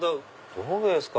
どうですか？